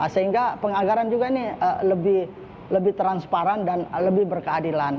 sehingga pengagaran juga ini lebih transparan dan lebih berkeadilan